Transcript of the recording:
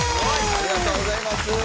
ありがとうございます。